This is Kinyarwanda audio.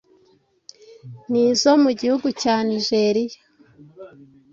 ni izo mu gihugu cya Nigeriya